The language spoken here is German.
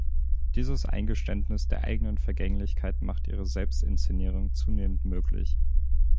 Dieses Eingeständnis der eigenen Vergänglichkeit macht ihre Selbstinszenierung zunehmend möglich.